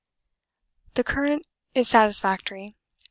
The current is satisfactory.